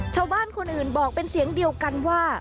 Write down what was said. ชาวบ้านคนอื่นบอกเป็นเสียงเดียวกันว่า